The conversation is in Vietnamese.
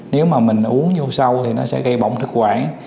nếu mà mình uống vô sâu thì nó sẽ gây bỏng thực quản